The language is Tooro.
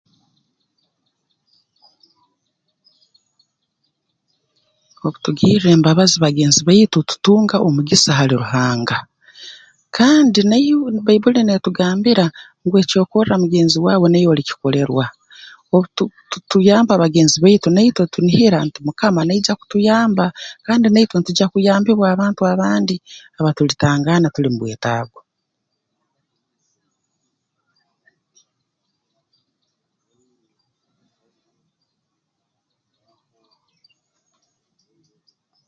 Obu tugirra embabazi bagenzi baitu tutunga omugisa hali Ruhanga kandi naiwe bbaibbuli neetugambira ngu ekyokorra mugenzi waawe naiwe olikikolerwa obu tu tuyamba bagenzi baitu naitwe tunihira nti Mukama naija kutuyamba kandi naitwe ntugya kuyambibwa abantu abandi aba tulitangaana tuli mu bwetaago